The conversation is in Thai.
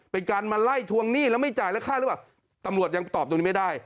เป็นการมาไล่ทวงหนี้แล้วไม่จ่ายแล้วค่าหรือเปล่าตำรวจยังตอบตรงนี้ไม่ได้